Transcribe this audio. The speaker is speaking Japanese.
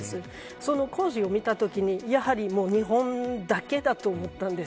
その工事を見たときにやはり日本だけだと思ったんです。